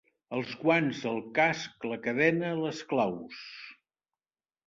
Els guants el casc la cadena les claus.